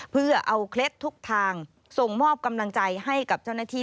เพื่อเอาเคล็ดทุกทางส่งมอบกำลังใจให้กับเจ้าหน้าที่